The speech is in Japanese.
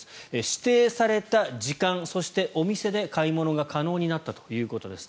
指定された時間そしてお店で買い物が可能になったということです。